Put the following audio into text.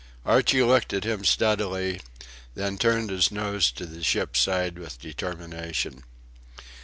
Archie looked at him steadily, then turned his nose to the ship's side with determination.